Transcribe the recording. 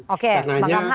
oke bang amhar